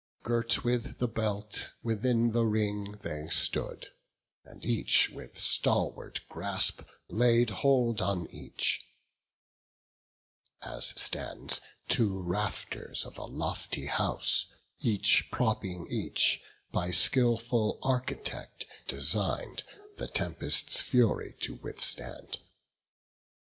Girt with the belt, within the ring they stood, And each, with stalwart grasp, laid hold on each; As stand two rafters of a lofty house, Each propping each, by skilful architect Design'd the tempest's fury to withstand.